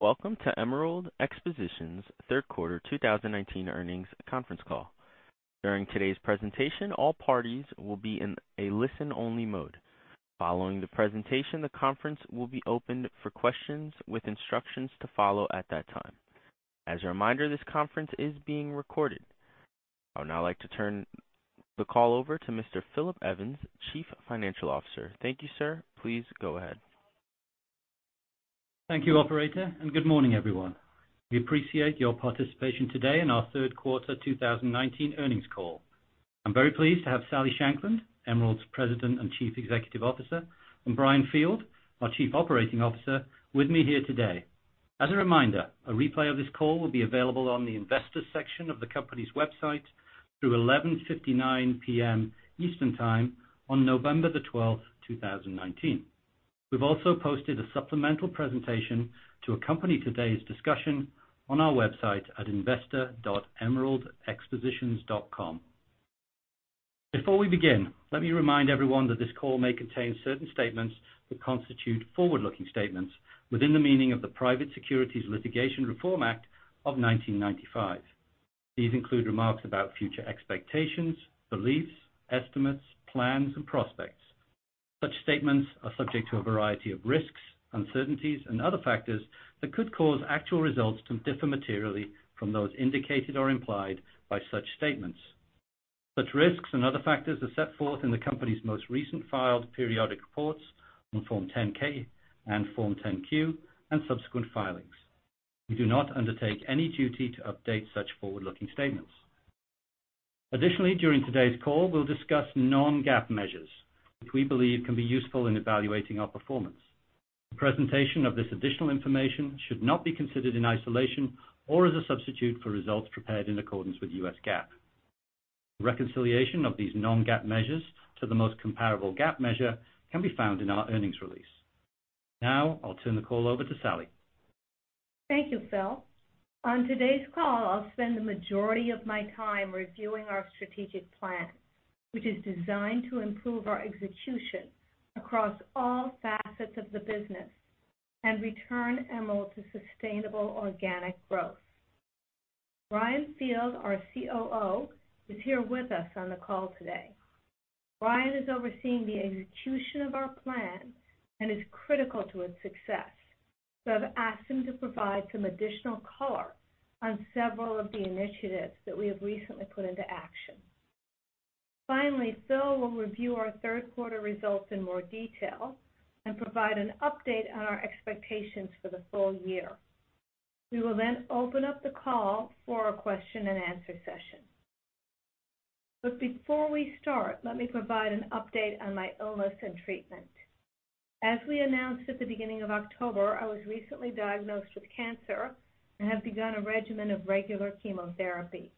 Welcome to Emerald Expositions' third quarter 2019 earnings conference call. During today's presentation, all parties will be in a listen-only mode. Following the presentation, the conference will be opened for questions with instructions to follow at that time. As a reminder, this conference is being recorded. I would now like to turn the call over to Mr. Philip Evans, Chief Financial Officer. Thank you, sir. Please go ahead. Thank you, operator. Good morning, everyone. We appreciate your participation today in our third quarter 2019 earnings call. I'm very pleased to have Sally Shankland, Emerald's President and Chief Executive Officer, and Brian Field, our Chief Operating Officer, with me here today. As a reminder, a replay of this call will be available on the investors section of the company's website through 11:59 P.M. Eastern Time on November 12th, 2019. We've also posted a supplemental presentation to accompany today's discussion on our website at investor.emeraldexpositions.com. Before we begin, let me remind everyone that this call may contain certain statements that constitute forward-looking statements within the meaning of the Private Securities Litigation Reform Act of 1995. These include remarks about future expectations, beliefs, estimates, plans, and prospects. Such statements are subject to a variety of risks, uncertainties, and other factors that could cause actual results to differ materially from those indicated or implied by such statements. Such risks and other factors are set forth in the company's most recent filed periodic reports on Form 10-K and Form 10-Q and subsequent filings. We do not undertake any duty to update such forward-looking statements. Additionally, during today's call, we'll discuss non-GAAP measures, which we believe can be useful in evaluating our performance. The presentation of this additional information should not be considered in isolation or as a substitute for results prepared in accordance with U.S. GAAP. A reconciliation of these non-GAAP measures to the most comparable GAAP measure can be found in our earnings release. Now, I'll turn the call over to Sally. Thank you, Phil. On today's call, I'll spend the majority of my time reviewing our strategic plan, which is designed to improve our execution across all facets of the business and return Emerald to sustainable organic growth. Brian Field, our COO, is here with us on the call today. Brian is overseeing the execution of our plan and is critical to its success. I've asked him to provide some additional color on several of the initiatives that we have recently put into action. Finally, Phil will review our third quarter results in more detail and provide an update on our expectations for the full year. We will then open up the call for a question-and-answer session. Before we start, let me provide an update on my illness and treatment. As we announced at the beginning of October, I was recently diagnosed with cancer and have begun a regimen of regular chemotherapy.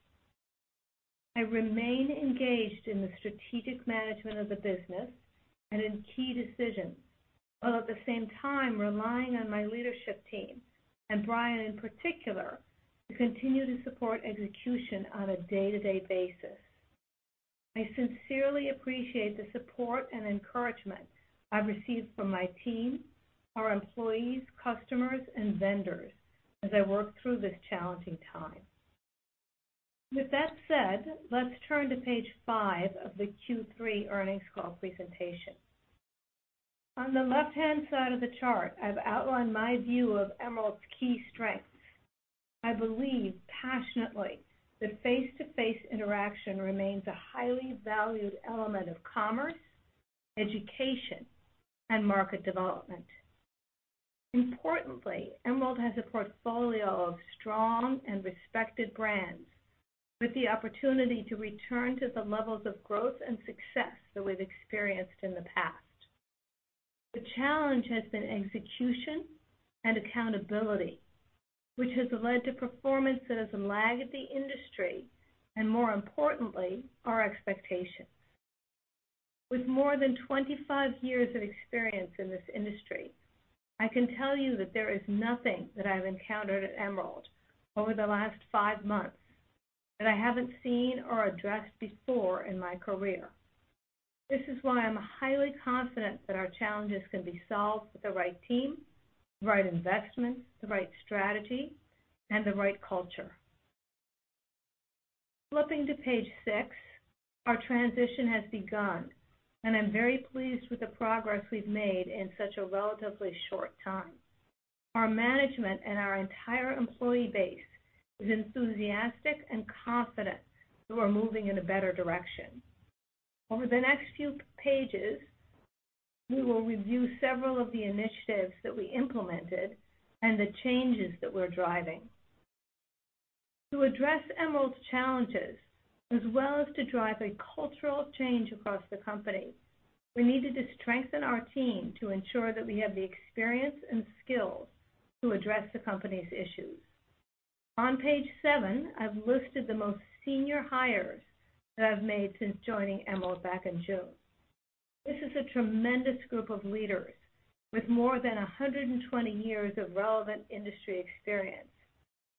I remain engaged in the strategic management of the business and in key decisions, while at the same time relying on my leadership team, and Brian in particular, to continue to support execution on a day-to-day basis. I sincerely appreciate the support and encouragement I've received from my team, our employees, customers, and vendors as I work through this challenging time. With that said, let's turn to page five of the Q3 earnings call presentation. On the left-hand side of the chart, I've outlined my view of Emerald's key strengths. I believe passionately that face-to-face interaction remains a highly valued element of commerce, education, and market development. Importantly, Emerald has a portfolio of strong and respected brands with the opportunity to return to the levels of growth and success that we've experienced in the past. The challenge has been execution and accountability, which has led to performance that has lagged the industry and, more importantly, our expectations. With more than 25 years of experience in this industry, I can tell you that there is nothing that I've encountered at Emerald over the last five months that I haven't seen or addressed before in my career. This is why I'McVeighm highly confident that our challenges can be solved with the right team, the right investments, the right strategy, and the right culture. Flipping to page six, our transition has begun, and I'm very pleased with the progress we've made in such a relatively short time. Our management and our entire employee base is enthusiastic and confident that we're moving in a better direction. Over the next few pages, we will review several of the initiatives that we implemented and the changes that we're driving. To address Emerald's challenges, as well as to drive a cultural change across the company, we needed to strengthen our team to ensure that we have the experience and skills to address the company's issues. On page seven, I've listed the most senior hires that I've made since joining Emerald back in June. This is a tremendous group of leaders with more than 120 years of relevant industry experience,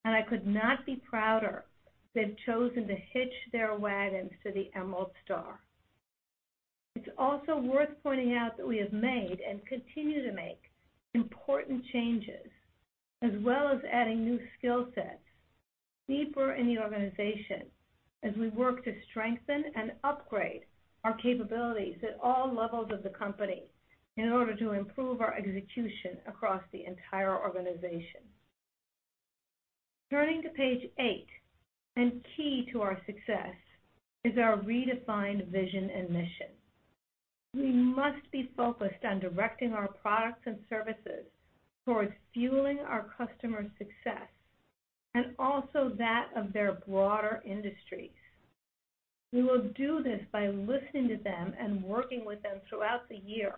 and I could not be prouder they've chosen to hitch their wagons to the Emerald star. It's also worth pointing out that we have made and continue to make important changes, as well as adding new skill sets deeper in the organization as we work to strengthen and upgrade our capabilities at all levels of the company in order to improve our execution across the entire organization. Turning to page eight, key to our success is our redefined vision and mission. We must be focused on directing our products and services towards fueling our customers' success and also that of their broader industries. We will do this by listening to them and working with them throughout the year,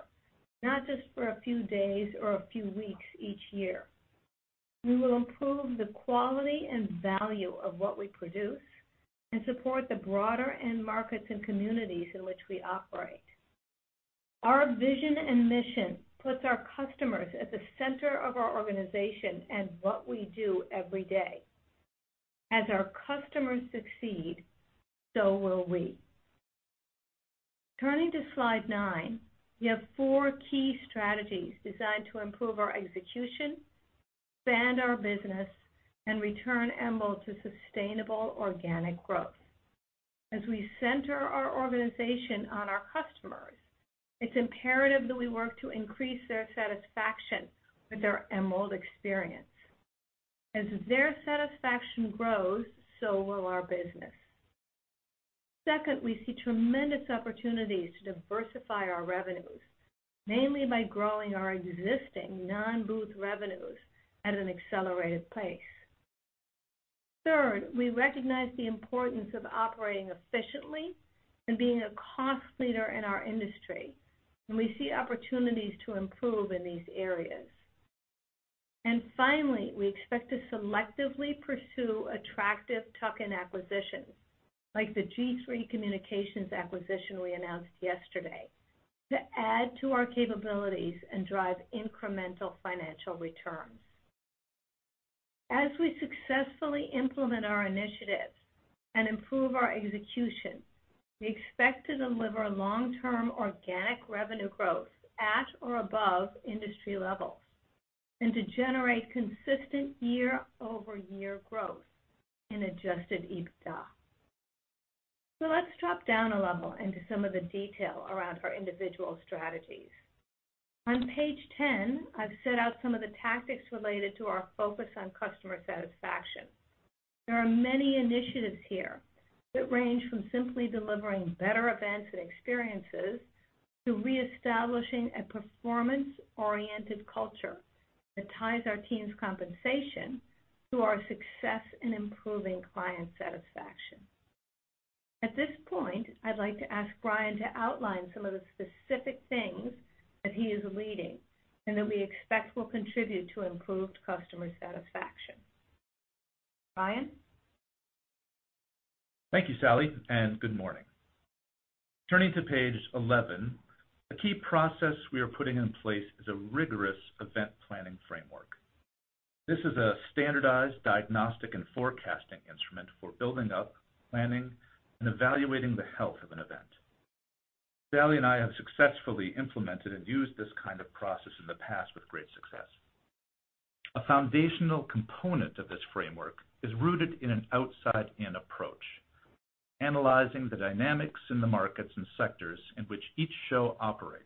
not just for a few days or a few weeks each year. We will improve the quality and value of what we produce and support the broader end markets and communities in which we operate. Our vision and mission puts our customers at the center of our organization and what we do every day. As our customers succeed, so will we. Turning to slide nine, we have four key strategies designed to improve our execution, expand our business, and return Emerald to sustainable organic growth. As we center our organization on our customers, it's imperative that we work to increase their satisfaction with their Emerald experience. As their satisfaction grows, so will our business. Second, we see tremendous opportunities to diversify our revenues, mainly by growing our existing non-booth revenues at an accelerated pace. Third, we recognize the importance of operating efficiently and being a cost leader in our industry, and we see opportunities to improve in these areas. Finally, we expect to selectively pursue attractive tuck-in acquisitions, like the G3 Communications acquisition we announced yesterday, to add to our capabilities and drive incremental financial returns. As we successfully implement our initiatives and improve our execution, we expect to deliver long-term organic revenue growth at or above industry levels and to generate consistent year-over-year growth in adjusted EBITDA. Let's drop down a level into some of the detail around our individual strategies. On page 10, I've set out some of the tactics related to our focus on customer satisfaction. There are many initiatives here that range from simply delivering better events and experiences to reestablishing a performance-oriented culture that ties our team's compensation to our success in improving client satisfaction. At this point, I'd like to ask Brian to outline some of the specific things that he is leading and that we expect will contribute to improved customer satisfaction. Brian? Thank you, Sally. Good morning. Turning to page 11, a key process we are putting in place is a rigorous event planning framework. This is a standardized diagnostic and forecasting instrument for building up, planning, and evaluating the health of an event. Sally and I have successfully implemented and used this kind of process in the past with great success. A foundational component of this framework is rooted in an outside-in approach, analyzing the dynamics in the markets and sectors in which each show operates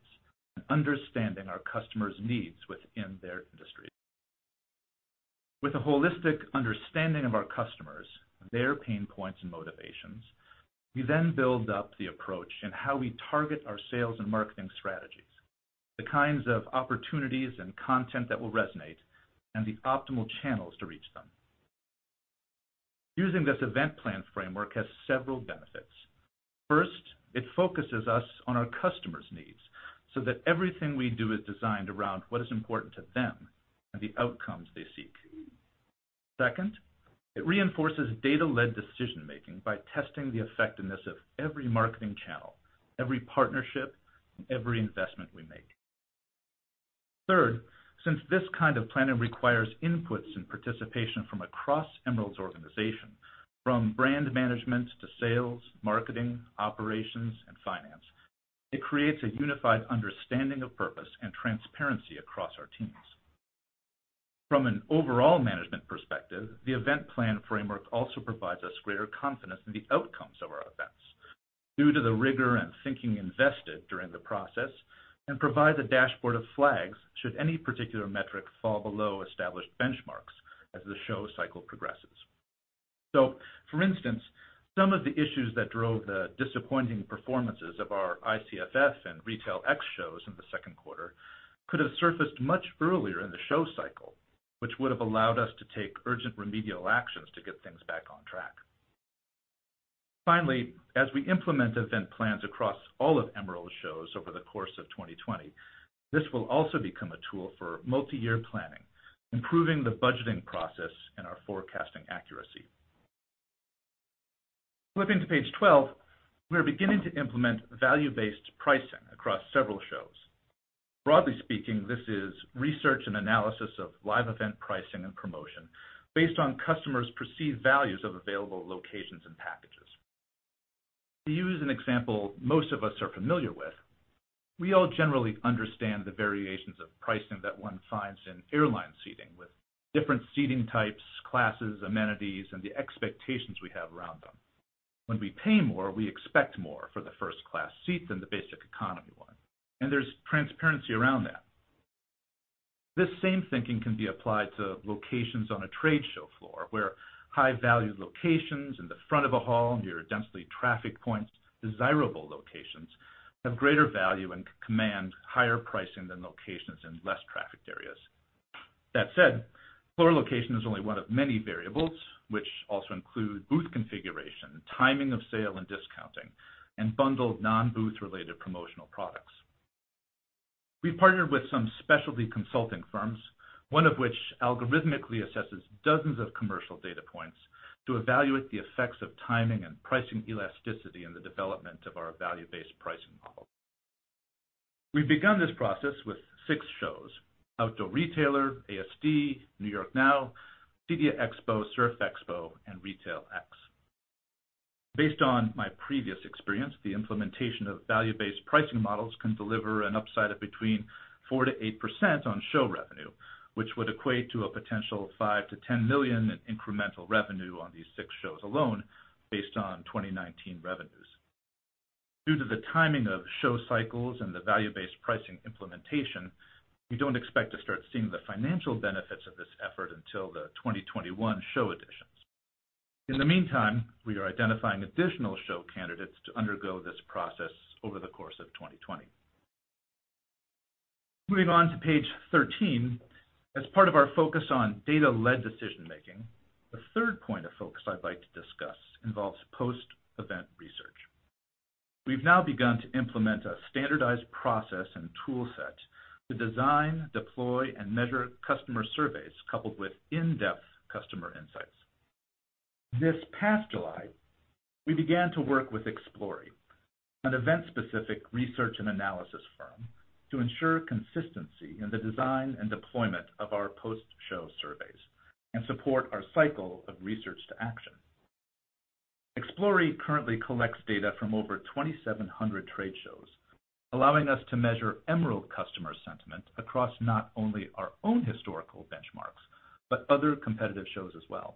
and understanding our customers' needs within their industry. With a holistic understanding of our customers, their pain points and motivations, we then build up the approach in how we target our sales and marketing strategies, the kinds of opportunities and content that will resonate, and the optimal channels to reach them. Using this event plan framework has several benefits. First, it focuses us on our customers' needs so that everything we do is designed around what is important to them and the outcomes they seek. Second, it reinforces data-led decision-making by testing the effectiveness of every marketing channel, every partnership, and every investment we make. Third, since this kind of planning requires inputs and participation from across Emerald's organization, from brand management to sales, marketing, operations, and finance, it creates a unified understanding of purpose and transparency across our teams. From an overall management perspective, the event plan framework also provides us greater confidence in the outcomes of our events due to the rigor and thinking invested during the process and provides a dashboard of flags should any particular metric fall below established benchmarks as the show cycle progresses. For instance, some of the issues that drove the disappointing performances of our ICFF and RetailX shows in the second quarter could have surfaced much earlier in the show cycle, which would have allowed us to take urgent remedial actions to get things back on track. Finally, as we implement event plans across all of Emerald's shows over the course of 2020, this will also become a tool for multi-year planning, improving the budgeting process and our forecasting accuracy. Flipping to page 12, we are beginning to implement value-based pricing across several shows. Broadly speaking, this is research and analysis of live event pricing and promotion based on customers' perceived values of available locations and packages. To use an example most of us are familiar with, we all generally understand the variations of pricing that one finds in airline seating, with different seating types, classes, amenities, and the expectations we have around them. When we pay more, we expect more for the first-class seat than the basic economy one, and there's transparency around that. This same thinking can be applied to locations on a trade show floor, where high-value locations in the front of a hall, near densely trafficked points, desirable locations, have greater value and command higher pricing than locations in less trafficked areas. That said, floor location is only one of many variables, which also include booth configuration, timing of sale and discounting, and bundled non-booth related promotional products. We've partnered with some specialty consulting firms, one of which algorithmically assesses dozens of commercial data points to evaluate the effects of timing and pricing elasticity in the development of our value-based pricing model. We've begun this process with six shows, Outdoor Retailer, ASD, New York NOW, CEDIA Expo, Surf Expo, and RetailX. Based on my previous experience, the implementation of value-based pricing models can deliver an upside of between 4%-8% on show revenue, which would equate to a potential $5 million-$10 million in incremental revenue on these six shows alone based on 2019 revenues. Due to the timing of show cycles and the value-based pricing implementation, we don't expect to start seeing the financial benefits of this effort until the 2021 show editions. In the meantime, we are identifying additional show candidates to undergo this process over the course of 2020. Moving on to page 13, as part of our focus on data-led decision-making, the third point of focus I'd like to discuss involves post-event research. We've now begun to implement a standardized process and tool set to design, deploy, and measure customer surveys coupled with in-depth customer insights. This past July, we began to work with Explori, an event-specific research and analysis firm, to ensure consistency in the design and deployment of our post-show surveys and support our cycle of research to action. Explori currently collects data from over 2,700 trade shows, allowing us to measure Emerald customer sentiment across not only our own historical benchmarks, but other competitive shows as well.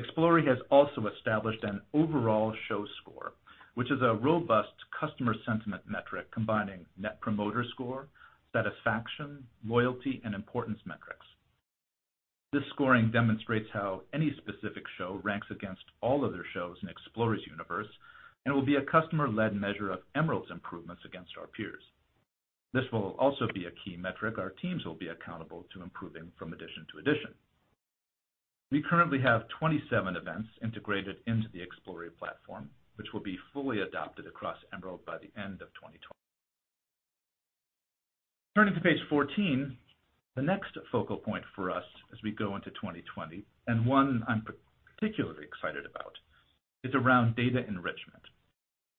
Explori has also established an Overall Show Score, which is a robust customer sentiment metric combining Net Promoter Score, satisfaction, loyalty, and importance metrics. This scoring demonstrates how any specific show ranks against all other shows in Explori's universe and will be a customer-led measure of Emerald's improvements against our peers. This will also be a key metric our teams will be accountable to improving from edition to edition. We currently have 27 events integrated into the Explori platform, which will be fully adopted across Emerald by the end of 2020. Turning to page 14, the next focal point for us as we go into 2020, and one I'm particularly excited about, is around data enrichment,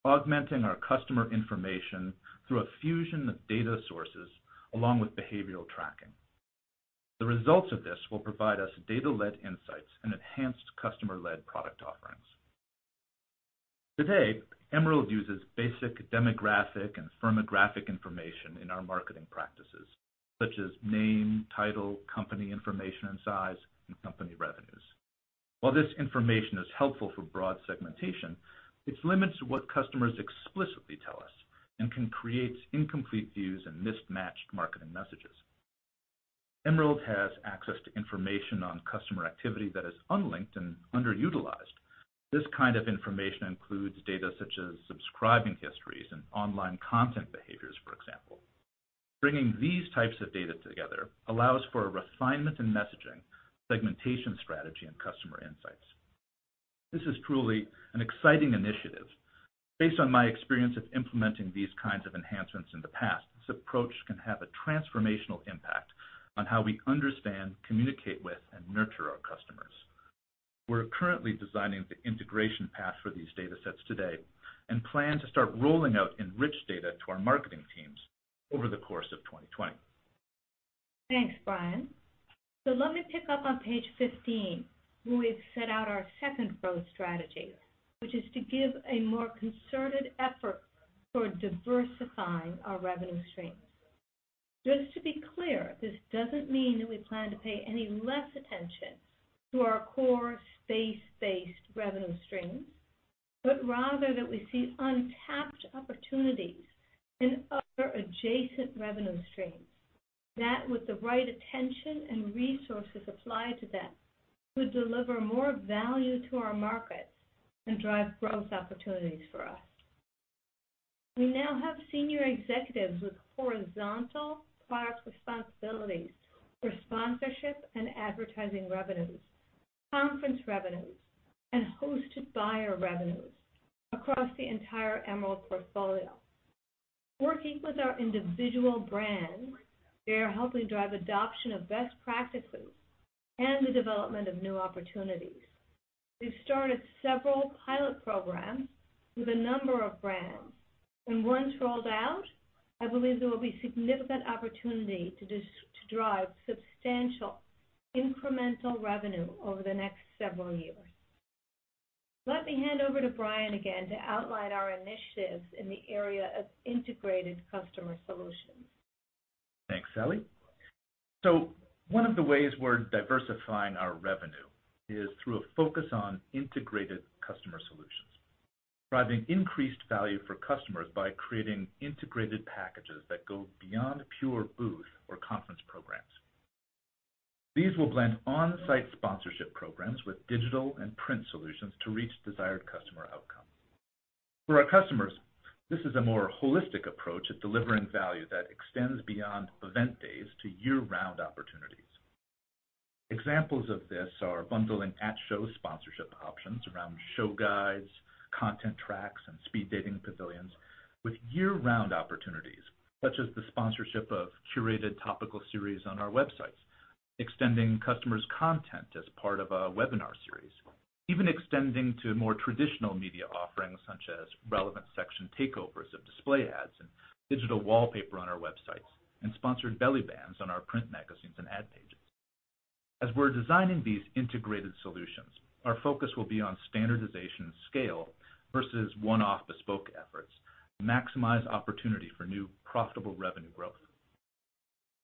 augmenting our customer information through a fusion of data sources along with behavioral tracking. The results of this will provide us data-led insights and enhanced customer-led product offerings. Today, Emerald uses basic demographic and firmographic information in our marketing practices, such as name, title, company information and size, and company revenues. While this information is helpful for broad segmentation, it's limited to what customers explicitly tell us and can create incomplete views and mismatched marketing messages. Emerald has access to information on customer activity that is unlinked and underutilized. This kind of information includes data such as subscribing histories and online content behaviors, for example. Bringing these types of data together allows for a refinement in messaging, segmentation strategy, and customer insights. This is truly an exciting initiative. Based on my experience of implementing these kinds of enhancements in the past, this approach can have a transformational impact on how we understand, communicate with, and nurture our customers. We're currently designing the integration path for these data sets today and plan to start rolling out enriched data to our marketing teams over the course of 2020. Thanks, Brian. Let me pick up on page 15, where we've set out our second growth strategy, which is to give a more concerted effort toward diversifying our revenue streams. Just to be clear, this doesn't mean that we plan to pay any less attention to our core space-based revenue streams, but rather that we see untapped opportunities in other adjacent revenue streams that, with the right attention and resources applied to them, could deliver more value to our markets and drive growth opportunities for us. We now have senior executives with horizontal product responsibilities for sponsorship and advertising revenues, conference revenues, and hosted buyer revenues across the entire Emerald portfolio. Working with our individual, they are helping drive adoption of best practices and the development of new opportunities. We've started several pilot programs with a number of brands, and once rolled out, I believe there will be significant opportunity to drive substantial incremental revenue over the next several years. Let me hand over to Brian again to outline our initiatives in the area of integrated customer solutions. Thanks, Sally. One of the ways we're diversifying our revenue is through a focus on integrated customer solutions, driving increased value for customers by creating integrated packages that go beyond pure booth or conference programs. These will blend on-site sponsorship programs with digital and print solutions to reach desired customer outcomes. For our customers, this is a more holistic approach at delivering value that extends beyond event days to year-round opportunities. Examples of this are bundling at-show sponsorship options around show guides, content tracks, and speed dating pavilions with year-round opportunities, such as the sponsorship of curated topical series on our websites, extending customers' content as part of a webinar series, even extending to more traditional media offerings, such as relevant section takeovers of display ads and digital wallpaper on our websites, and sponsored belly bands on our print magazines and ad pages. As we're designing these integrated solutions, our focus will be on standardization scale versus one-off bespoke efforts, maximize opportunity for new profitable revenue growth.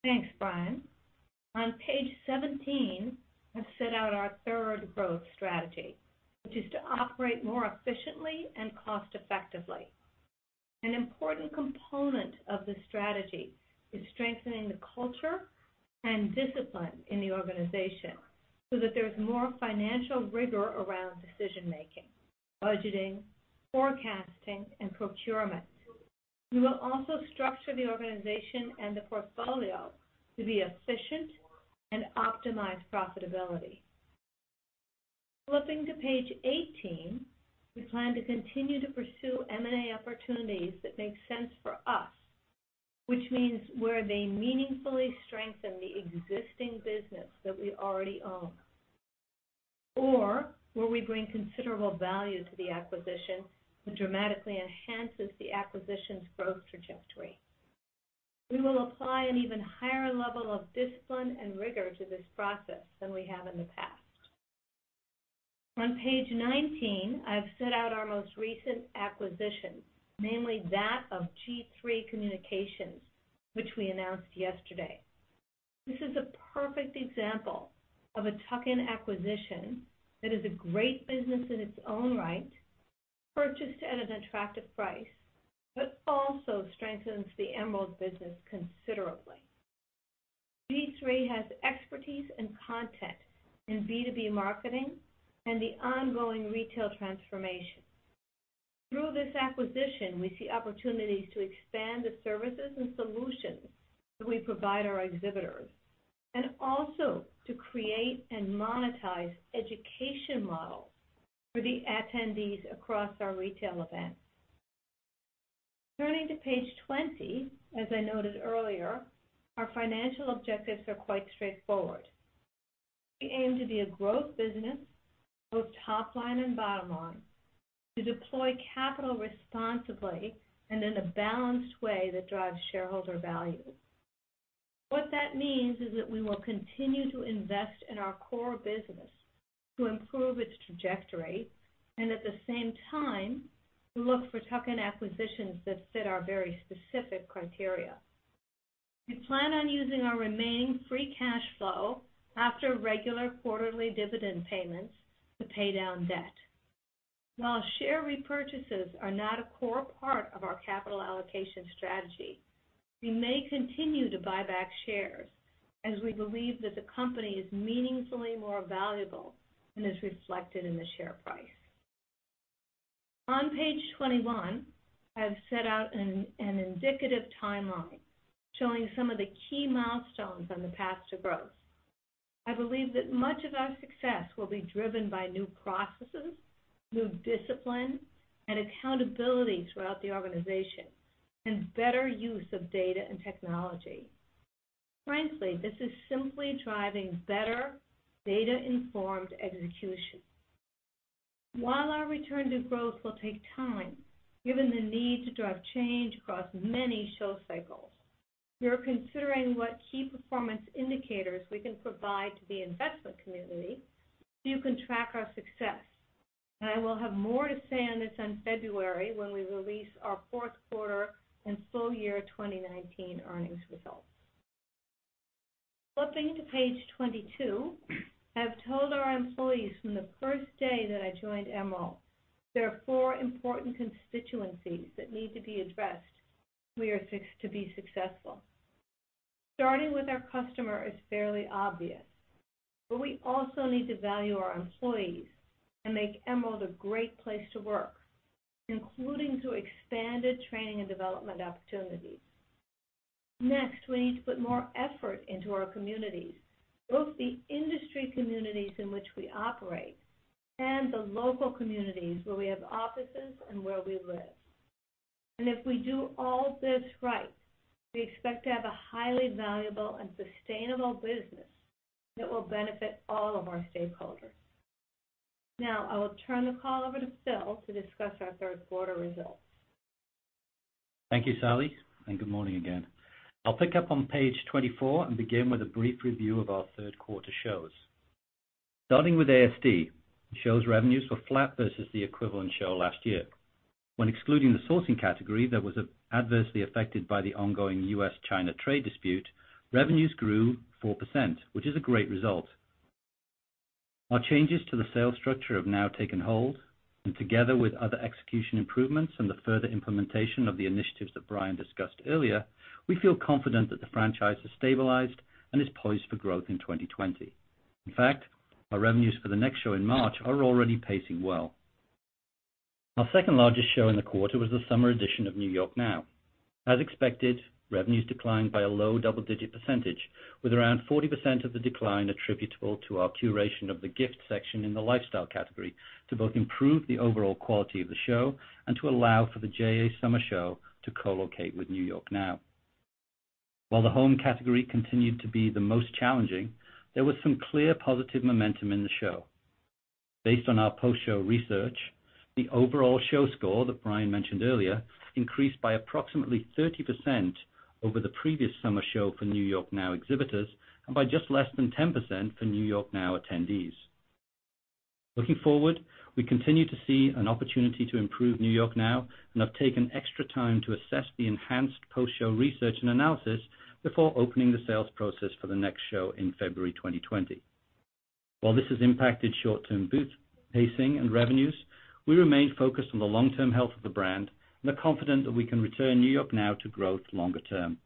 Thanks, Brian. On page 17, I've set out our third growth strategy, which is to operate more efficiently and cost effectively. An important component of this strategy is strengthening the culture and discipline in the organization so that there's more financial rigor around decision making, budgeting, forecasting, and procurement. We will also structure the organization and the portfolio to be efficient and optimize profitability. Flipping to page 18, we plan to continue to pursue M&A opportunities that make sense for us, which means where they meaningfully strengthen the existing business that we already own, or where we bring considerable value to the acquisition, which dramatically enhances the acquisition's growth trajectory. We will apply an even higher level of discipline and rigor to this process than we have in the past. On page 19, I've set out our most recent acquisition, namely that of G3 Communications, which we announced yesterday. This is a perfect example of a tuck-in acquisition that is a great business in its own right, purchased at an attractive price, but also strengthens the Emerald business considerably. G3 has expertise and content in B2B marketing and the ongoing retail transformation. Through this acquisition, we see opportunities to expand the services and solutions that we provide our exhibitors, and also to create and monetize education models for the attendees across our retail events. Turning to page 20, as I noted earlier, our financial objectives are quite straightforward. We aim to be a growth business, both top line and bottom line, to deploy capital responsibly and in a balanced way that drives shareholder value. What that means is that we will continue to invest in our core business to improve its trajectory, and at the same time, to look for tuck-in acquisitions that fit our very specific criteria. We plan on using our remaining free cash flow after regular quarterly dividend payments to pay down debt. While share repurchases are not a core part of our capital allocation strategy, we may continue to buy back shares, as we believe that the company is meaningfully more valuable than is reflected in the share price. On page 21, I've set out an indicative timeline showing some of the key milestones on the path to growth. I believe that much of our success will be driven by new processes, new discipline, and accountability throughout the organization, and better use of data and technology. Frankly, this is simply driving better data-informed execution. While our return to growth will take time, given the need to drive change across many show cycles, we are considering what key performance indicators we can provide to the investment community so you can track our success. I will have more to say on this in February when we release our fourth quarter and full year 2019 earnings results. Flipping to page 22, I've told our employees from the first day that I joined Emerald there are four important constituencies that need to be addressed if we are to be successful. Starting with our customer is fairly obvious, we also need to value our employees and make Emerald a great place to work, including through expanded training and development opportunities. Next, we need to put more effort into our communities, both the industry communities in which we operate and the local communities where we have offices and where we live. If we do all this right, we expect to have a highly valuable and sustainable business that will benefit all of our stakeholders. Now, I will turn the call over to Phil to discuss our third quarter results. Thank you, Sally, and good morning again. I'll pick up on page 24 and begin with a brief review of our third quarter shows. Starting with ASD, the show's revenues were flat versus the equivalent show last year. When excluding the sourcing category that was adversely affected by the ongoing US-China trade dispute, revenues grew 4%, which is a great result. Our changes to the sales structure have now taken hold, and together with other execution improvements and the further implementation of the initiatives that Brian discussed earlier, we feel confident that the franchise has stabilized and is poised for growth in 2020. In fact, our revenues for the next show in March are already pacing well. Our second-largest show in the quarter was the summer edition of NY NOW. As expected, revenues declined by a low double-digit percentage, with around 40% of the decline attributable to our curation of the gift section in the lifestyle category to both improve the overall quality of the show and to allow for the JA summer show to co-locate with New York NOW. While the home category continued to be the most challenging, there was some clear positive momentum in the show. Based on our post-show research, the Overall Show Score that Brian mentioned earlier increased by approximately 30% over the previous summer show for New York NOW exhibitors and by just less than 10% for New York NOW attendees. Looking forward, we continue to see an opportunity to improve New York NOW and have taken extra time to assess the enhanced post-show research and analysis before opening the sales process for the next show in February 2020. While this has impacted short-term booth pacing and revenues, we remain focused on the long-term health of the brand and are confident that we can return NY NOW to growth longer term.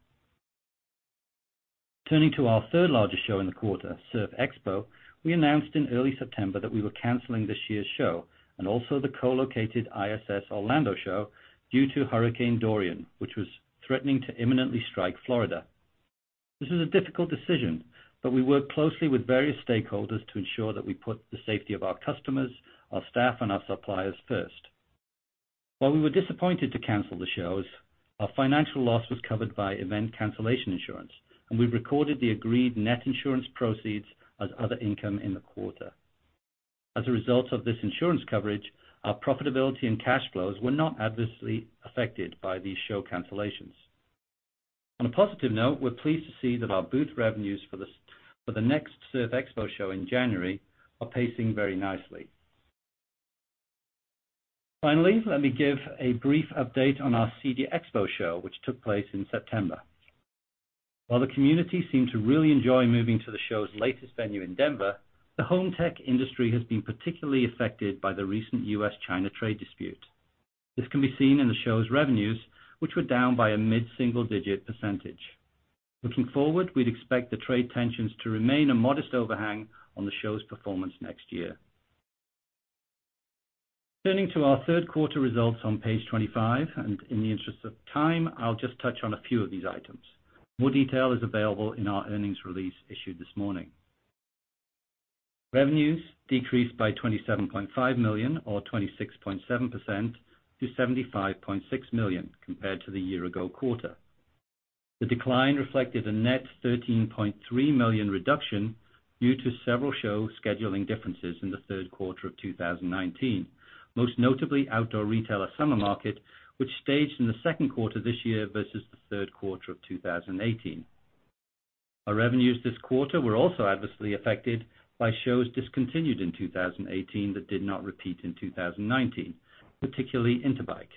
Turning to our third-largest show in the quarter, Surf Expo, we announced in early September that we were canceling this year's show and also the co-located ISS Orlando show due to Hurricane Dorian, which was threatening to imminently strike Florida. This was a difficult decision, but we worked closely with various stakeholders to ensure that we put the safety of our customers, our staff, and our suppliers first. While we were disappointed to cancel the shows, our financial loss was covered by event cancellation insurance, and we recorded the agreed net insurance proceeds as other income in the quarter. As a result of this insurance coverage, our profitability and cash flows were not adversely affected by these show cancellations. On a positive note, we're pleased to see that our booth revenues for the next Surf Expo show in January are pacing very nicely. Finally, let me give a brief update on our CEDIA Expo show, which took place in September. While the community seemed to really enjoy moving to the show's latest venue in Denver, the home tech industry has been particularly affected by the recent U.S.-China trade dispute. This can be seen in the show's revenues, which were down by a mid-single-digit percentage. Looking forward, we'd expect the trade tensions to remain a modest overhang on the show's performance next year. Turning to our third quarter results on page 25, and in the interest of time, I'll just touch on a few of these items. More detail is available in our earnings release issued this morning. Revenues decreased by $27.5 million or 26.7% to $75.6 million compared to the year-ago quarter. The decline reflected a net $13.3 million reduction due to several show scheduling differences in the third quarter of 2019, most notably Outdoor Retailer Summer Market, which staged in the second quarter this year versus the third quarter of 2018. Our revenues this quarter were also adversely affected by shows discontinued in 2018 that did not repeat in 2019, particularly Interbike.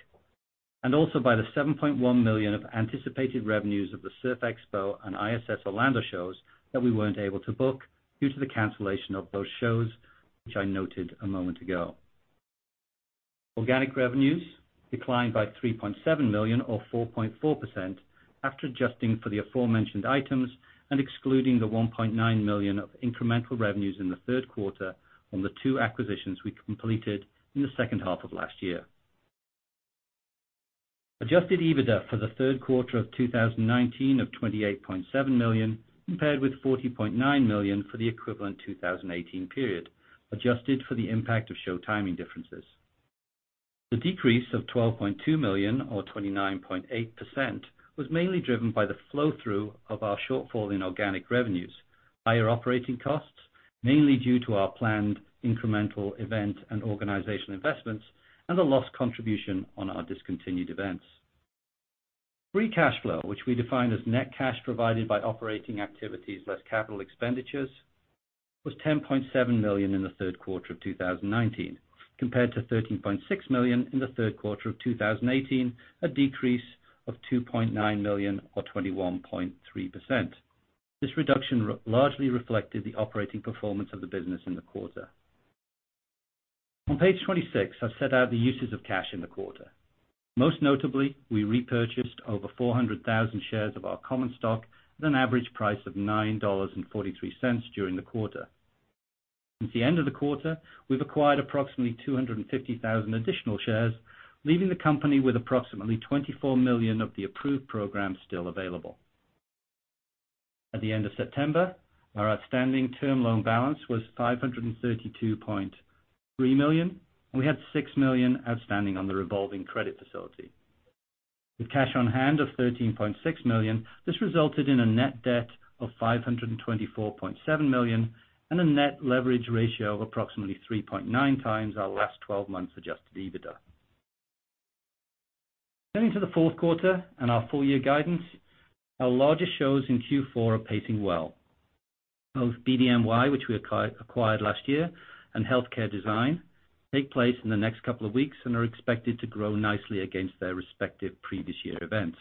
Also by the $7.1 million of anticipated revenues of the Surf Expo and ISS Orlando shows that we weren't able to book due to the cancellation of those shows, which I noted a moment ago. Organic revenues declined by $3.7 million or 4.4% after adjusting for the aforementioned items and excluding the $1.9 million of incremental revenues in the third quarter on the two acquisitions we completed in the second half of last year. adjusted EBITDA for the third quarter of 2019 of $28.7 million compared with $40.9 million for the equivalent 2018 period, adjusted for the impact of show timing differences. The decrease of $12.2 million or 29.8% was mainly driven by the flow-through of our shortfall in organic revenues, higher operating costs, mainly due to our planned incremental event and organization investments, and the lost contribution on our discontinued events. free cash flow, which we define as net cash provided by operating activities less capital expenditures, was $10.7 million in the third quarter of 2019, compared to $13.6 million in the third quarter of 2018, a decrease of $2.9 million or 21.3%. This reduction largely reflected the operating performance of the business in the quarter. On page 26, I've set out the uses of cash in the quarter. Most notably, we repurchased over 400,000 shares of our common stock at an average price of $9.43 during the quarter. Since the end of the quarter, we've acquired approximately 250,000 additional shares, leaving the company with approximately $24 million of the approved program still available. At the end of September, our outstanding term loan balance was $532.3 million, and we had $6 million outstanding on the revolving credit facility. With cash on hand of $13.6 million, this resulted in a net debt of $524.7 million and a net leverage ratio of approximately 3.9 times our last 12 months adjusted EBITDA. Turning to the fourth quarter and our full year guidance, our largest shows in Q4 are pacing well. Both BDNY, which we acquired last year, and Healthcare Design take place in the next couple of weeks and are expected to grow nicely against their respective previous year events.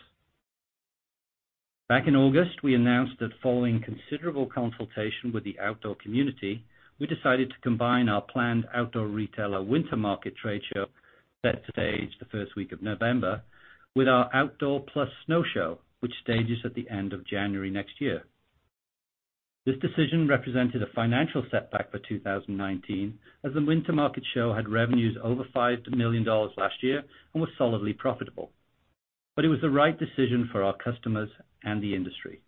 Back in August, we announced that following considerable consultation with the outdoor community, we decided to combine our planned Outdoor Retailer Winter Market trade show set to stage the first week of November, with our Outdoor Retailer Snow Show, which stages at the end of January next year. This decision represented a financial setback for 2019 as the Winter Market show had revenues over $5 million last year and was solidly profitable. It was the right decision for our customers and the industry.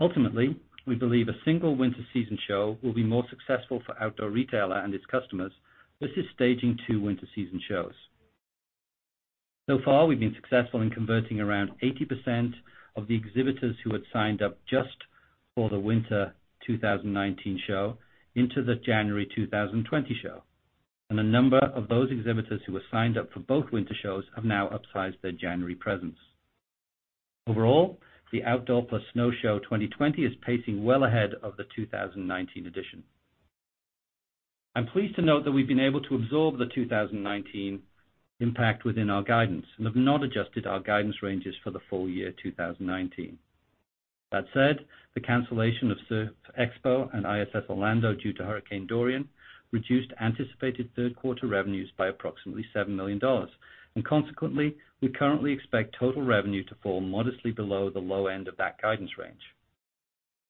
Ultimately, we believe a single winter season show will be more successful for Outdoor Retailer and its customers versus staging two winter season shows. Far, we've been successful in converting around 80% of the exhibitors who had signed up just for the winter 2019 show into the January 2020 show. A number of those exhibitors who were signed up for both winter shows have now upsized their January presence. The Outdoor+Snow Show 2020 is pacing well ahead of the 2019 edition. I'm pleased to note that we've been able to absorb the 2019 impact within our guidance and have not adjusted our guidance ranges for the full year 2019. That said, the cancellation of Surf Expo and ISS Orlando due to Hurricane Dorian reduced anticipated third quarter revenues by approximately $7 million. Consequently, we currently expect total revenue to fall modestly below the low end of that guidance range.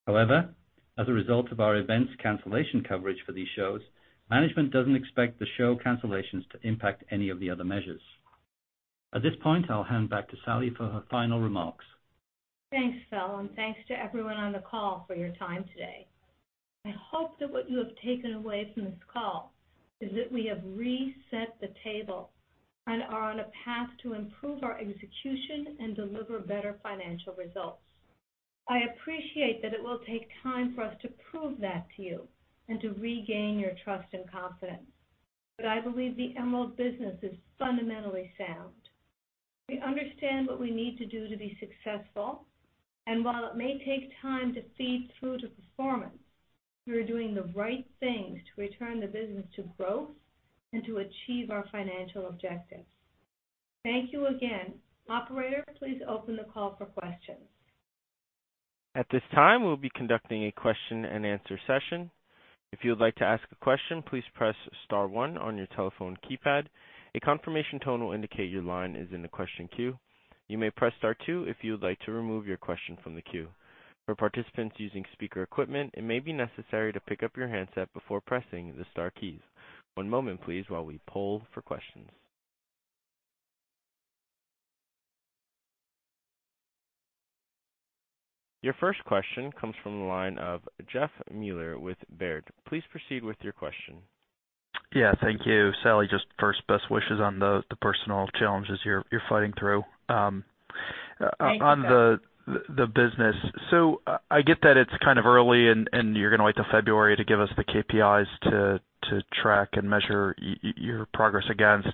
As a result of our events cancellation coverage for these shows, management doesn't expect the show cancellations to impact any of the other measures. At this point, I'll hand back to Sally for her final remarks. Thanks, Phil, and thanks to everyone on the call for your time today. I hope that what you have taken away from this call is that we have reset the table and are on a path to improve our execution and deliver better financial results. I appreciate that it will take time for us to prove that to you and to regain your trust and confidence. I believe the Emerald business is fundamentally sound. We understand what we need to do to be successful, and while it may take time to feed through to performance, we are doing the right things to return the business to growth and to achieve our financial objectives. Thank you again. Operator, please open the call for questions. At this time, we'll be conducting a question and answer session. If you would like to ask a question, please press star one on your telephone keypad. A confirmation tone will indicate your line is in the question queue. You may press star two if you would like to remove your question from the queue. For participants using speaker equipment, it may be necessary to pick up your handset before pressing the star keys. One moment, please, while we poll for questions. Your first question comes from the line of Jeffrey Meuler with Baird. Please proceed with your question. Yeah. Thank you, Sally. Just first, best wishes on the personal challenges you're fighting through. Thank you, Jeff. On the business. I get that it's kind of early and you're going to wait till February to give us the KPIs to track and measure your progress against.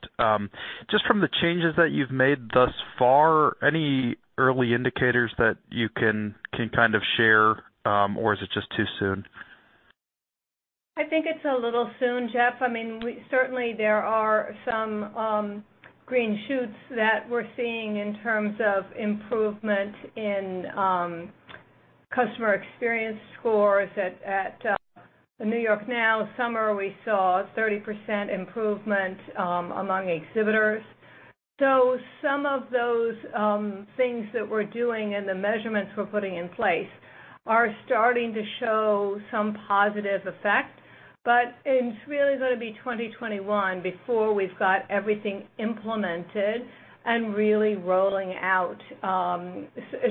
Just from the changes that you've made thus far, any early indicators that you can kind of share? Or is it just too soon? I think it's a little soon, Jeff. I mean, certainly there are some green shoots that we're seeing in terms of improvement in customer experience scores at the NY NOW. Summer, we saw 30% improvement among exhibitors. Some of those things that we're doing and the measurements we're putting in place are starting to show some positive effect. It's really going to be 2021 before we've got everything implemented and really rolling out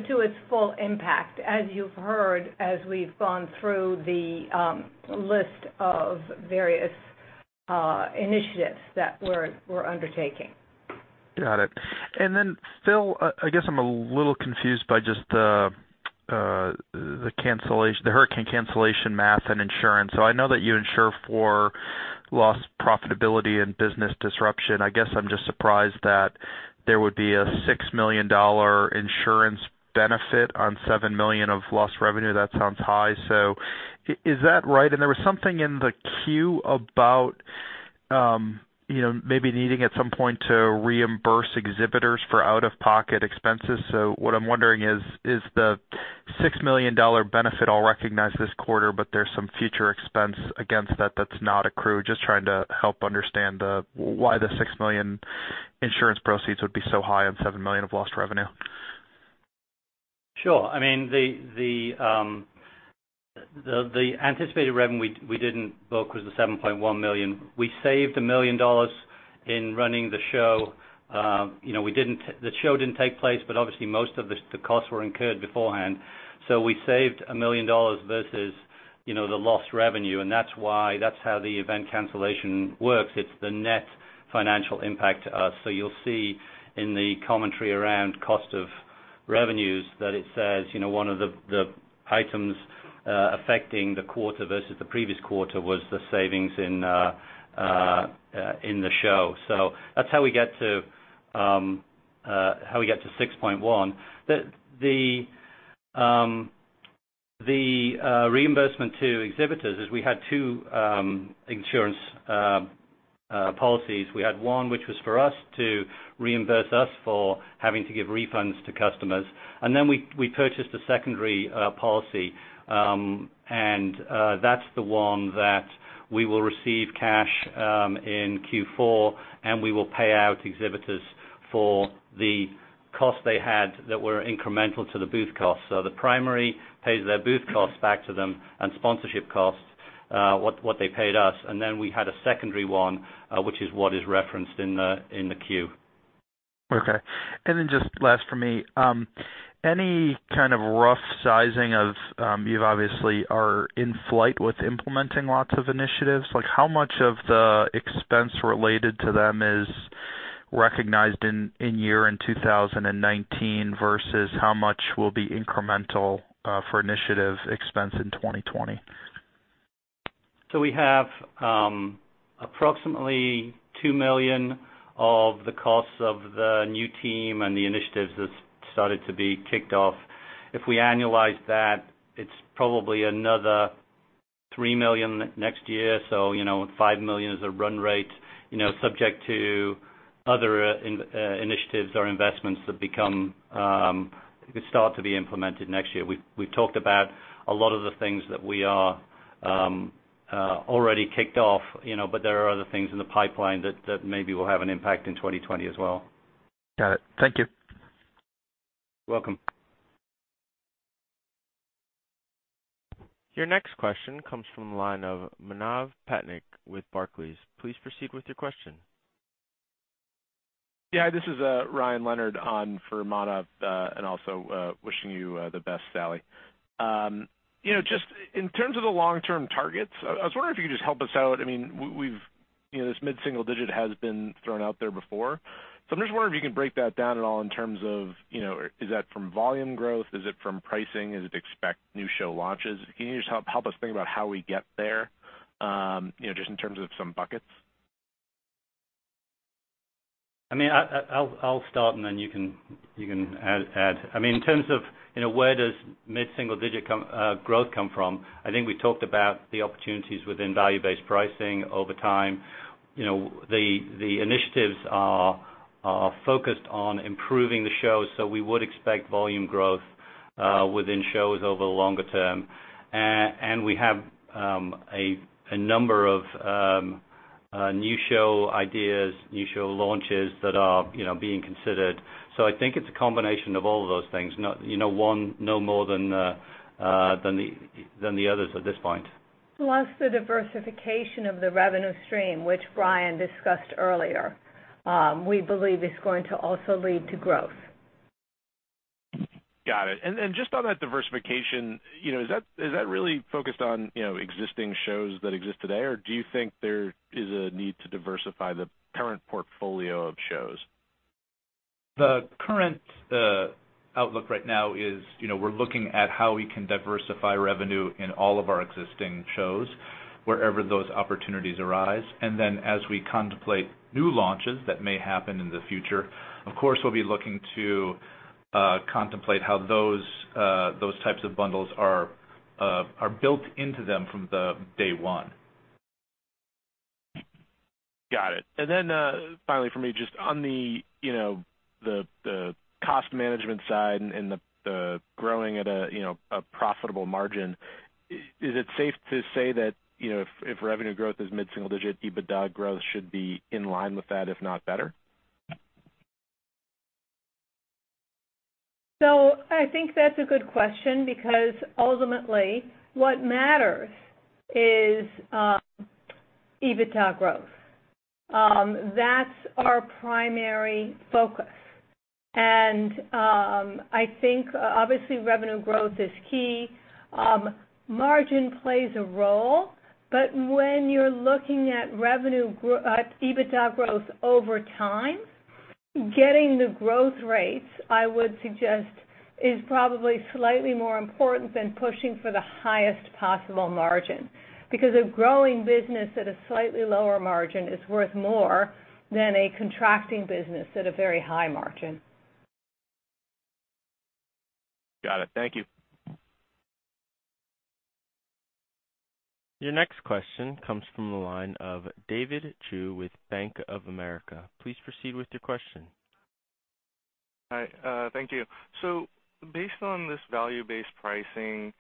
to its full impact. As you've heard, as we've gone through the list of various initiatives that we're undertaking. Got it. Phil, I guess I'm a little confused by just the cancellation, the hurricane cancellation math and insurance. I know that you insure for lost profitability and business disruption. I guess I'm just surprised that there would be a $6 million insurance benefit on $7 million of lost revenue. That sounds high. Is that right? There was something in the queue about maybe needing at some point to reimburse exhibitors for out-of-pocket expenses. What I'm wondering is the $6 million benefit all recognized this quarter, but there's some future expense against that that's not accrued? Just trying to help understand why the $6 million insurance proceeds would be so high on $7 million of lost revenue. Sure. I mean, The anticipated revenue we didn't book was the $7.1 million. We saved $1 million in running the show. The show didn't take place, but obviously, most of the costs were incurred beforehand. We saved $1 million versus the lost revenue, and that's how the event cancellation works. It's the net financial impact to us. You'll see in the commentary around cost of revenues that it says, one of the items affecting the quarter versus the previous quarter was the savings in the show. That's how we get to $6.1 million. The reimbursement to exhibitors is we had two insurance policies. We had one which was for us to reimburse us for having to give refunds to customers. We purchased a secondary policy, and that's the one that we will receive cash in Q4, and we will pay out exhibitors for the cost they had that were incremental to the booth cost. The primary pays their booth costs back to them and sponsorship costs, what they paid us. We had a secondary one, which is what is referenced in the Q. Okay. Just last from me, any kind of rough sizing of, you obviously are in flight with implementing lots of initiatives, how much of the expense related to them is recognized in year, in 2019, versus how much will be incremental for initiative expense in 2020? We have approximately $2 million of the costs of the new team and the initiatives that started to be kicked off. If we annualize that, it's probably another $3 million next year. $5 million is a run rate, subject to other initiatives or investments that start to be implemented next year. We've talked about a lot of the things that we are already kicked off, but there are other things in the pipeline that maybe will have an impact in 2020 as well. Got it. Thank you. Welcome. Your next question comes from the line of Manav Patnaik with Barclays. Please proceed with your question. Yeah. This is Ryan Leonard on for Manav, and also wishing you the best, Sally. Just in terms of the long-term targets, I was wondering if you could just help us out. This mid-single digit has been thrown out there before, so I'm just wondering if you can break that down at all in terms of, is that from volume growth? Is it from pricing? Is it expect new show launches? Can you just help us think about how we get there, just in terms of some buckets? I'll start and then you can add. In terms of where does mid-single digit growth come from, I think we talked about the opportunities within value-based pricing over time. The initiatives are focused on improving the shows, so we would expect volume growth within shows over the longer term. We have a number of new show ideas, new show launches that are being considered. I think it's a combination of all of those things, one no more than the others at this point. The diversification of the revenue stream, which Brian discussed earlier, we believe is going to also lead to growth. Got it. Just on that diversification, is that really focused on existing shows that exist today, or do you think there is a need to diversify the current portfolio of shows? The current outlook right now is we're looking at how we can diversify revenue in all of our existing shows, wherever those opportunities arise. As we contemplate new launches that may happen in the future, of course, we'll be looking to contemplate how those types of bundles are built into them from the day one. Got it. Finally from me, just on the cost management side and the growing at a profitable margin, is it safe to say that if revenue growth is mid-single digit, EBITDA growth should be in line with that, if not better? I think that's a good question because ultimately what matters is EBITDA growth. That's our primary focus. I think, obviously, revenue growth is key. Margin plays a role, but when you're looking at EBITDA growth over time, getting the growth rates, I would suggest, is probably slightly more important than pushing for the highest possible margin. A growing business at a slightly lower margin is worth more than a contracting business at a very high margin. Got it. Thank you. Your next question comes from the line of David Chu with Bank of America. Please proceed with your question. Hi. Thank you. Based on this value-based pricing,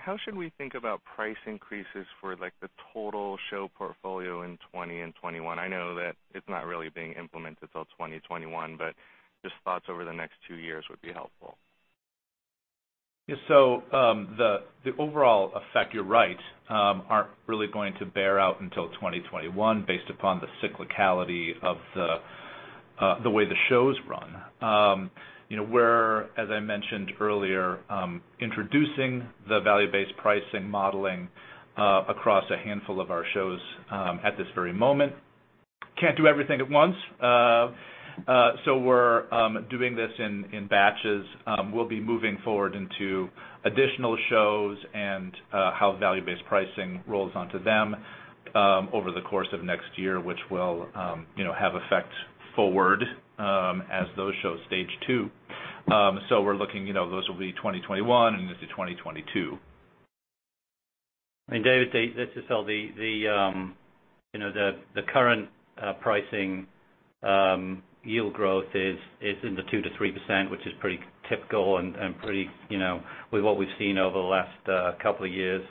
how should we think about price increases for the total show portfolio in 2020 and 2021? I know that it's not really being implemented till 2021, but just thoughts over the next two years would be helpful. Yeah. The overall effect, you're right, aren't really going to bear out until 2021 based upon the cyclicality of the way the shows run. We're, as I mentioned earlier, introducing the value-based pricing modeling across a handful of our shows, at this very moment. Can't do everything at once, so we're doing this in batches. We'll be moving forward into additional shows and how value-based pricing rolls onto them, over the course of next year, which will have effect forward, as those shows stage 2. We're looking, those will be 2021 into 2022. David, this is [Saldy], the current pricing yield growth is in the 2%-3%, which is pretty typical and pretty With what we've seen over the last couple of years.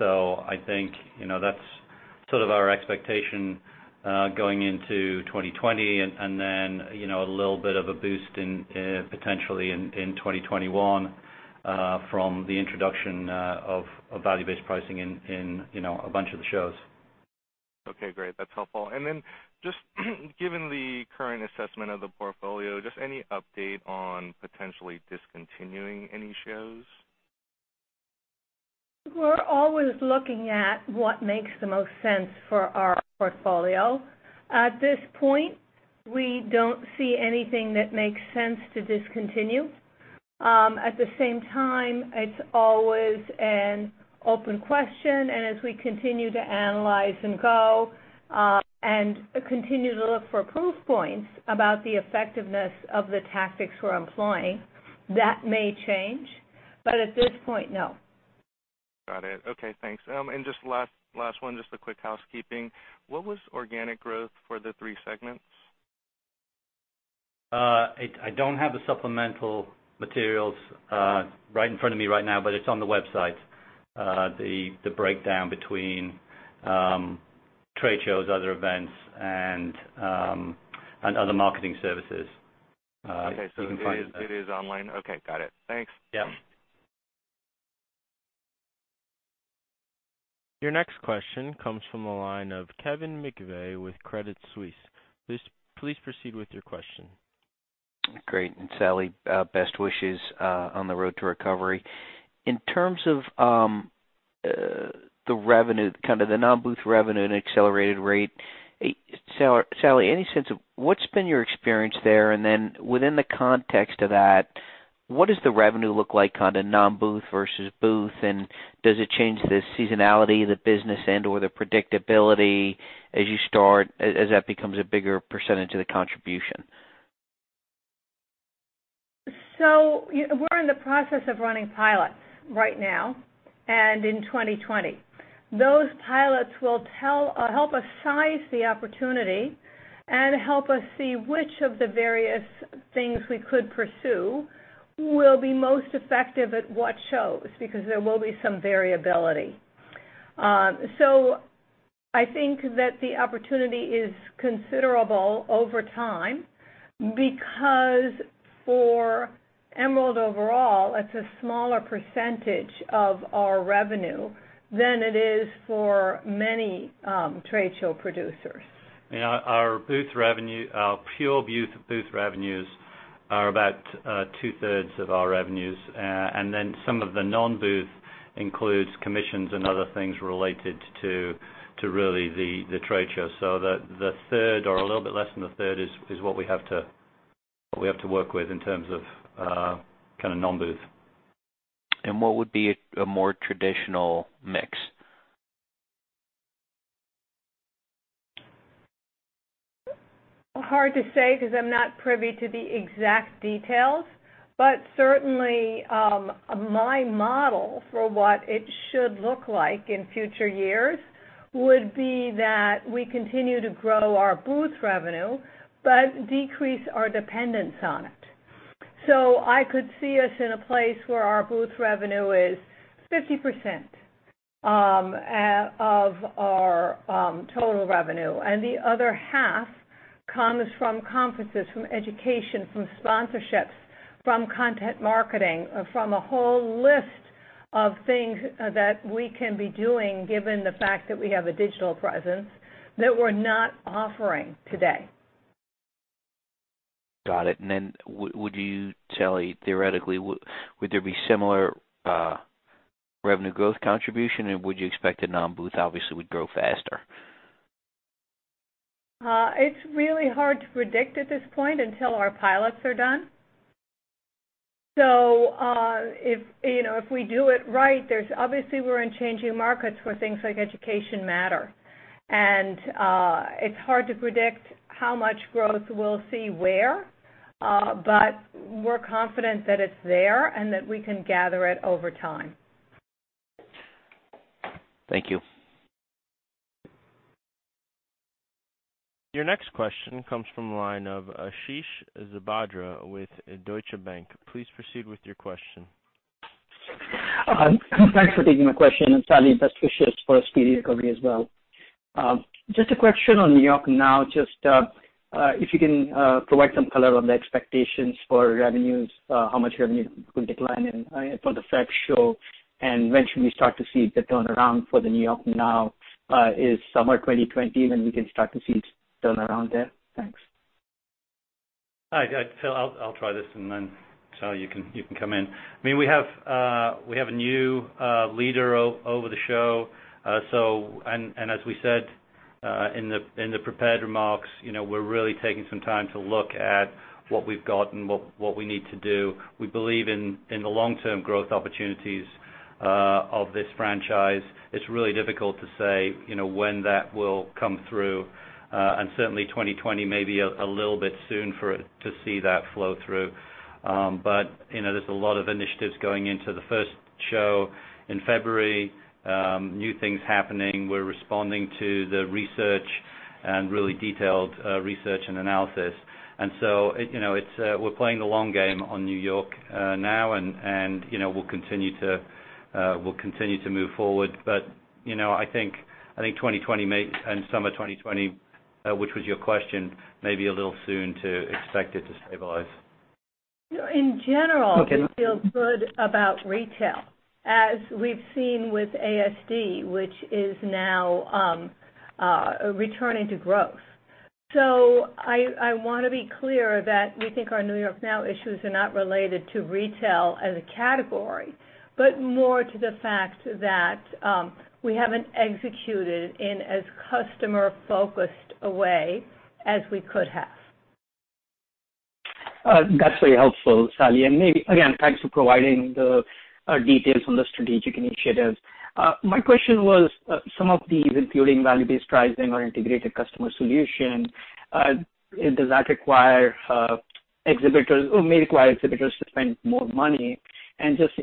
I think, that's sort of our expectation, going into 2020 and then, a little bit of a boost potentially in 2021, from the introduction of value-based pricing in a bunch of the shows. Okay, great. That's helpful. Just given the current assessment of the portfolio, just any update on potentially discontinuing any shows? We're always looking at what makes the most sense for our portfolio. At this point, we don't see anything that makes sense to discontinue. At the same time, it's always an open question, and as we continue to analyze and go, and continue to look for proof points about the effectiveness of the tactics we're employing, that may change, but at this point, no. Got it. Okay, thanks. Just last one, just a quick housekeeping. What was organic growth for the three segments? I don't have the supplemental materials right in front of me right now, but it's on the website, the breakdown between trade shows, other events, and other marketing services. Okay. You can find that- It is online. Okay. Got it. Thanks. Yeah. Your next question comes from the line of Kevin McVeigh with Credit Suisse. Please proceed with your question. Great. Sally, best wishes on the road to recovery. In terms of the revenue, kind of the non-booth revenue and accelerated rate, Sally, any sense of what's been your experience there? Within the context of that, what does the revenue look like kind of non-booth versus booth, and does it change the seasonality of the business and/or the predictability as you start, as that becomes a bigger percentage of the contribution? We're in the process of running pilots right now and in 2020. Those pilots will help us size the opportunity and help us see which of the various things we could pursue will be most effective at what shows, because there will be some variability. I think that the opportunity is considerable over time because for Emerald overall, it's a smaller percentage of our revenue than it is for many trade show producers. Yeah, our booth revenue, our pure booth revenues are about two-thirds of our revenues. Some of the non-booth includes commissions and other things related to really the trade show. The third or a little bit less than the third is what we have to work with in terms of kind of non-booth. What would be a more traditional mix? Hard to say because I'm not privy to the exact details, but certainly, my model for what it should look like in future years would be that we continue to grow our booth revenue, but decrease our dependence on it. I could see us in a place where our booth revenue is 50% of our total revenue, and the other half comes from conferences, from education, from sponsorships, from content marketing, from a whole list of things that we can be doing given the fact that we have a digital presence that we're not offering today. Got it. Would you, Sally, theoretically, would there be similar revenue growth contribution, and would you expect a non-booth obviously would grow faster? It's really hard to predict at this point until our pilots are done. If we do it right, obviously we're in changing markets where things like education matter, and it's hard to predict how much growth we'll see where, but we're confident that it's there and that we can gather it over time. Thank you. Your next question comes from the line of Ashish Sabadra with Deutsche Bank. Please proceed with your question. Thanks for taking my question, and Sally, best wishes for a speedy recovery as well. Just a question on NY NOW, just if you can provide some color on the expectations for revenues, how much revenue could decline in from the next show, and when should we start to see the turnaround for NY NOW? Is summer 2020 when we can start to see turnaround there? Thanks. Hi. Phil, I'll try this, and then, Sally, you can come in. We have a new leader over the show. As we said in the prepared remarks, we're really taking some time to look at what we've got and what we need to do. We believe in the long-term growth opportunities of this franchise. It's really difficult to say when that will come through. Certainly 2020 may be a little bit soon for it to see that flow through. There's a lot of initiatives going into the first show in February. New things happening. We're responding to the research and really detailed research and analysis. We're playing the long game on NY NOW, and we'll continue to move forward. I think 2020 may, and summer 2020, which was your question, may be a little soon to expect it to stabilize. In general- Okay. Yeah we feel good about retail, as we've seen with ASD, which is now returning to growth. I want to be clear that we think our NY NOW issues are not related to retail as a category, but more to the fact that we haven't executed in as customer-focused a way as we could have. That's very helpful, Sally. Maybe, again, thanks for providing the details on the strategic initiatives. My question was, some of these, including value-based pricing or integrated customer solution, does that require exhibitors or may require exhibitors to spend more money? Just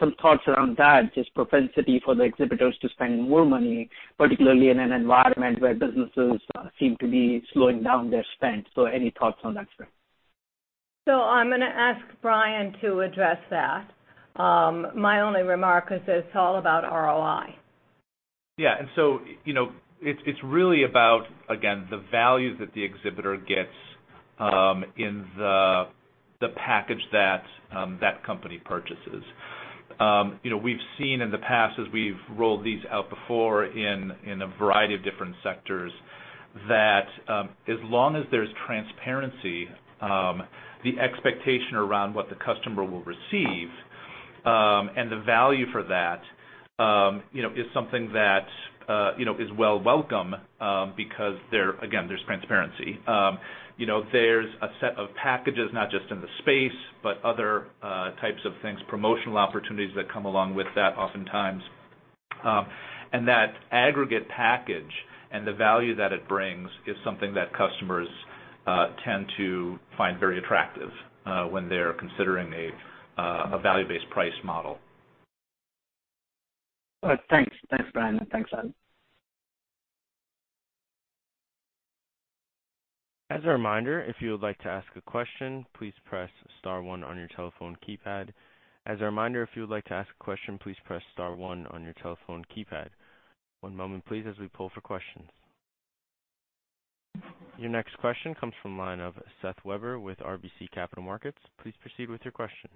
some thoughts around that, just propensity for the exhibitors to spend more money, particularly in an environment where businesses seem to be slowing down their spend. Any thoughts on that front? I'm going to ask Brian to address that. My only remark is it's all about ROI. Yeah. It's really about, again, the value that the exhibitor gets in the package that company purchases. We've seen in the past as we've rolled these out before in a variety of different sectors, that as long as there's transparency, the expectation around what the customer will receive, and the value for that, is something that is well welcome, because, again, there's transparency. There's a set of packages, not just in the space, but other types of things, promotional opportunities that come along with that oftentimes. That aggregate package and the value that it brings is something that customers tend to find very attractive when they're considering a value-based price model. All right. Thanks. Thanks, Brian. Thanks, Sally. As a reminder, if you would like to ask a question, please press star one on your telephone keypad. As a reminder, if you would like to ask a question, please press star one on your telephone keypad. One moment, please, as we pull for questions. Your next question comes from line of Seth Weber with RBC Capital Markets. Please proceed with your question.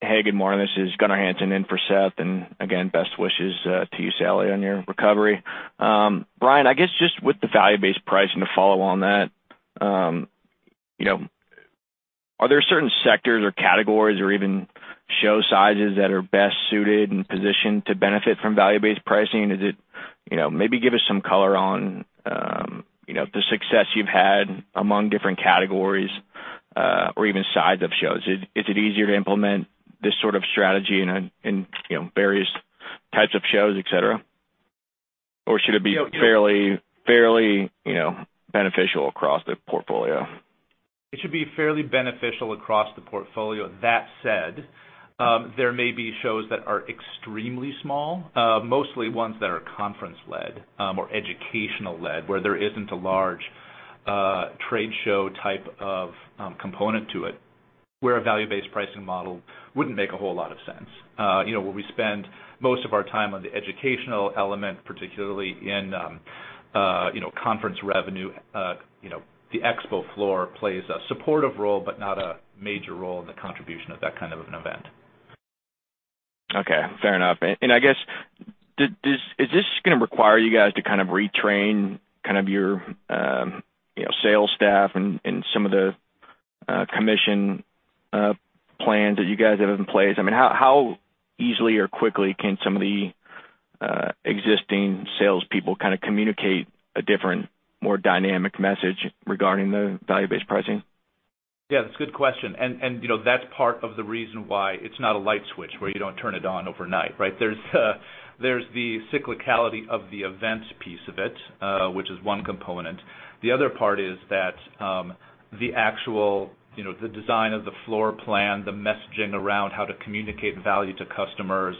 Hey, good morning. This is Gunnar Hansen in for Seth, again, best wishes to you, Sally, on your recovery. Brian, I guess just with the value-based pricing to follow on that, are there certain sectors or categories or even show sizes that are best suited and positioned to benefit from value-based pricing? Maybe give us some color on the success you've had among different categories, or even size of shows. Is it easier to implement this sort of strategy in various types of shows, et cetera? Or should it be fairly beneficial across the portfolio? It should be fairly beneficial across the portfolio. That said, there may be shows that are extremely small, mostly ones that are conference-led, or educational-led, where there isn't a large trade show type of component to it, where a value-based pricing model wouldn't make a whole lot of sense. Where we spend most of our time on the educational element, particularly in conference revenue, the expo floor plays a supportive role, but not a major role in the contribution of that kind of an event. Okay. Fair enough. I guess, is this going to require you guys to kind of retrain your sales staff and some of the commission plans that you guys have in place? How easily or quickly can some of the existing salespeople kind of communicate a different, more dynamic message regarding the value-based pricing? Yeah, that's a good question. That's part of the reason why it's not a light switch where you don't turn it on overnight, right? There's the cyclicality of the events piece of it, which is one component. The other part is that the design of the floor plan, the messaging around how to communicate value to customers,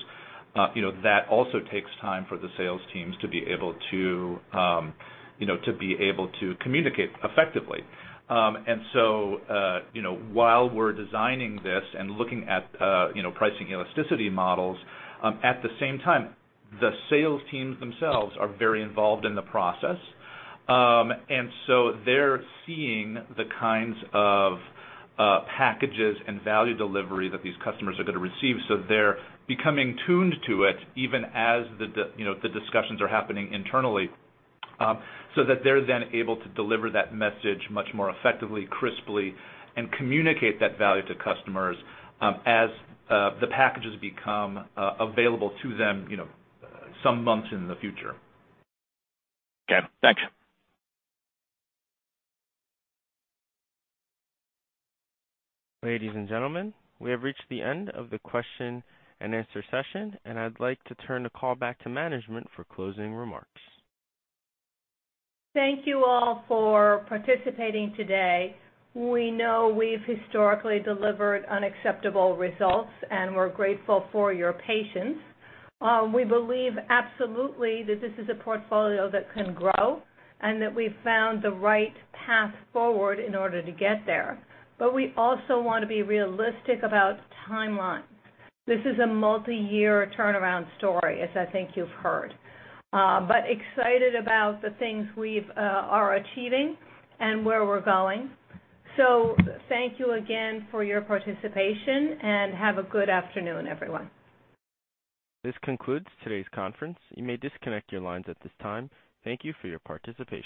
that also takes time for the sales teams to be able to communicate effectively. While we're designing this and looking at pricing elasticity models, at the same time, the sales teams themselves are very involved in the process. They're seeing the kinds of packages and value delivery that these customers are gonna receive. They're becoming tuned to it, even as the discussions are happening internally, so that they're then able to deliver that message much more effectively, crisply, and communicate that value to customers, as the packages become available to them some months in the future. Okay, thanks. Ladies and gentlemen, we have reached the end of the question and answer session, and I'd like to turn the call back to management for closing remarks. Thank you all for participating today. We know we've historically delivered unacceptable results, and we're grateful for your patience. We believe absolutely that this is a portfolio that can grow and that we've found the right path forward in order to get there. We also want to be realistic about timelines. This is a multi-year turnaround story, as I think you've heard. We're excited about the things we are achieving and where we're going. Thank you again for your participation, and have a good afternoon, everyone. This concludes today's conference. You may disconnect your lines at this time. Thank you for your participation.